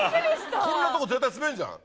こんなとこ絶対滑るじゃん？